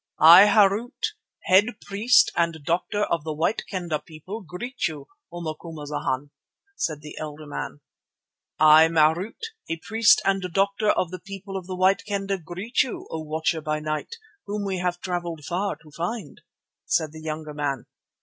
"I, Harût, head priest and doctor of the White Kendah People, greet you, O Macumazana," said the elder man. "I, Marût, a priest and doctor of the People of the White Kendah, greet you, O Watcher by night, whom we have travelled far to find," said the younger man.